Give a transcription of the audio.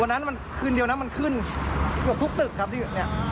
วันนั้นมันคืนเดียวนะมันขึ้นเกือบทุกตึกครับพี่เนี่ย